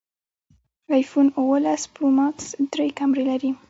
ایفون اوولس پرو ماکس درې کمرې لري